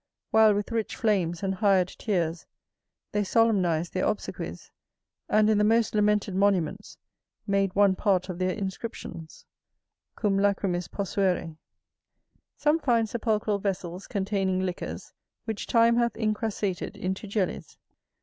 While with rich flames, and hired tears, they solemnized their obsequies, and in the most lamented monuments made one part of their inscriptions.[AU] Some find sepulchral vessels containing liquors, which time hath incrassated into jellies.